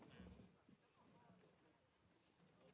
สวัสดีครับ